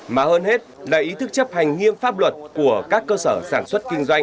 mà hơn hết là ý thức chấp hành nghiêm pháp luật của các cơ sở sản xuất kinh doanh